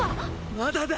まだだ。